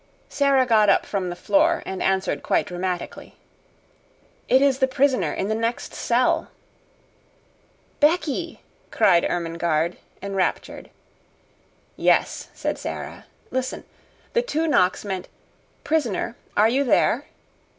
Sara got up from the floor and answered quite dramatically: "It is the prisoner in the next cell." "Becky!" cried Ermengarde, enraptured. "Yes," said Sara. "Listen; the two knocks meant, 'Prisoner, are you there?'"